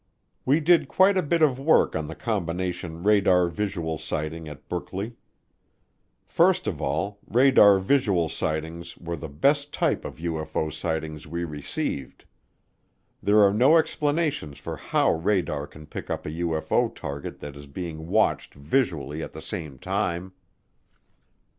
We did quite a bit of work on the combination radar visual sighting at Brookley. First of all, radar visual sightings were the best type of UFO sightings we received. There are no explanations for how radar can pick up a UFO target that is being watched visually at the same time.